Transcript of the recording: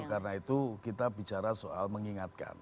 karena itu kita bicara soal mengingatkan